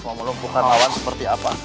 kamu bukan lawan seperti apa